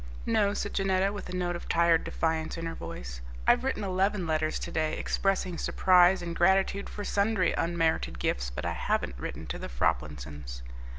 "No," said Janetta, with a note of tired defiance in her voice; "I've written eleven letters to day expressing surprise and gratitude for sundry unmerited gifts, but I haven't written to the Froplinsons."